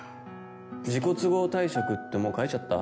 自己都合退職ってもう書いちゃった？